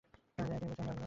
তিনি বলছেন, হে আল্লাহ!